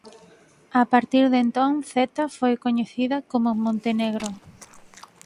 A partir de entón Zeta foi coñecida como Montenegro.